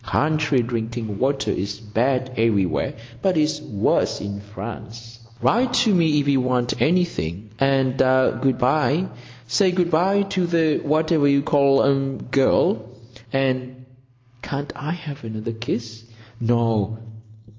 Country drinking water is bad everywhere, but it's worse in France. Write to me if you want anything, and good bye. Say good bye to the whatever you call um girl, and—can't I have another kiss? No.